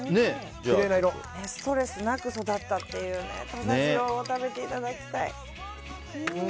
ストレスなく育ったっていう土佐ジローを食べていただきたい。